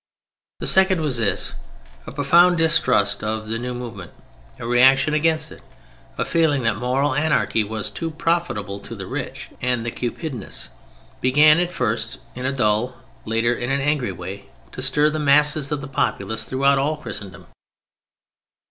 The second was this: a profound distrust of the new movement, a reaction against it, a feeling that moral anarchy was too profitable to the rich and the cupidinous, began at first in a dull, later in an angry way, to stir the masses of the populace throughout all Christendom.